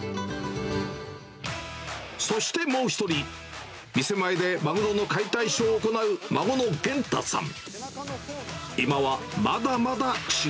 そしてもう１人、店前でマグロの解体ショーを行う孫の玄太さん。